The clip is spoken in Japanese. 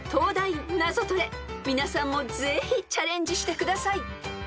［皆さんもぜひチャレンジしてください］